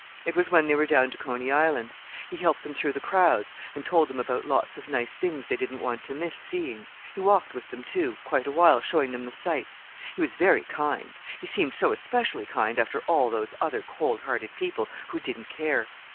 It was when they were down to Coney Island. He helped them through the crowds, and told them about lots of nice things they didn't want to miss seeing. He walked with them, too, quite awhile, showing them the sights. He was very kind—he seemed so especially kind, after all those other cold hearted people, who didn't care!